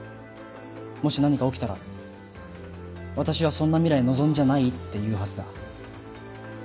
もし何か起きたら「私はそんな未来望んじゃない」って言うはずだ。